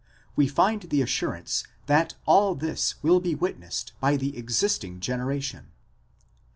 we find the assurance that all this. will be witnessed by the existing generation.